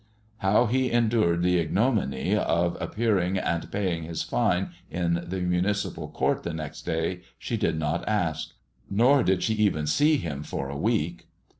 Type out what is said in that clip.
How he endured the ignominy of appearing and paying his fine in the municipal court the next day, she did not ask; nor did she even see him for a week.